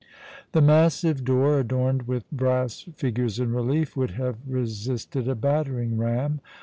The massive door, adorned with brass figures in relief, would have resisted a battering ram.